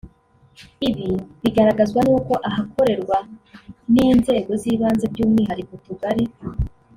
ibi bigaragazwa n’uko ahakorerwa n’inzego z’ibanze by’umwihariko utugari